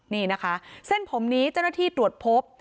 นี่นะคะเส้นผมนี้เจ้าหน้าที่ตรวจพบ